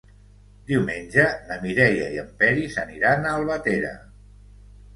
Diumenge na Mireia i en Peris aniran a Albatera.